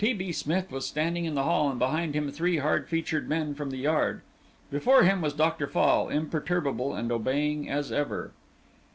T. B. Smith was standing in the hall, and behind him three hard featured men from the Yard. Before him was Dr. Fall, imperturbable and obeying as ever.